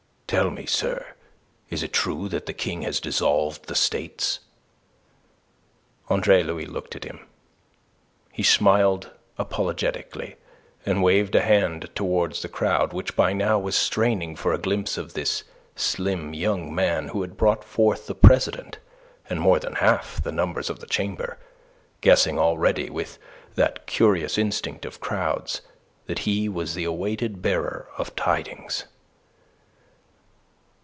"Tell me, sir, is it true that the King has dissolved the States?" Andre Louis looked at him. He smiled apologetically, and waved a hand towards the crowd, which by now was straining for a glimpse of this slim young man who had brought forth the president and more than half the numbers of the Chamber, guessing already, with that curious instinct of crowds, that he was the awaited bearer of tidings.